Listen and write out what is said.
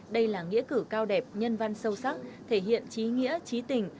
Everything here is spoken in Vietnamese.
đây là nghĩa cử cao đẹp nhân văn sâu sắc thể hiện trí nghĩa trí tình